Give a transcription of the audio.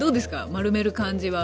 丸める感じは？